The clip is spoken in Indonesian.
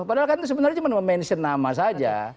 padahal kan sebenarnya cuma mention nama saja